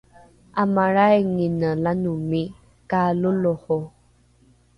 ’amalraingine lanomi kaaloloho